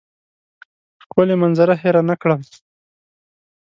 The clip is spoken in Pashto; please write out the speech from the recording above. ښکلې منظره هېره نه کړم.